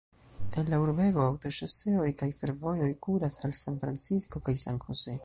El la urbego aŭtoŝoseoj kaj fervojoj kuras al San Francisco kaj San Jose.